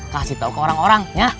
kasih tahu ke orang orang ya